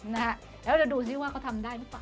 แล้วจะดูซิว่าเขาทำได้หรือเปล่า